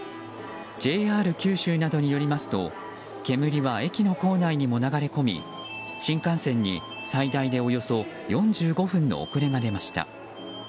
ＪＲ九州などによりますと煙は駅の構内にも流れ込み新幹線に最大でおよそ４５分の遅れが出ました。